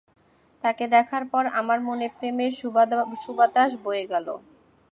তাকে দেখার পর আমার মনে প্রেমের সুবাতাস বয়ে গেলো।